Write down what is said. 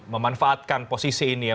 memanfaatkan posisi ini ya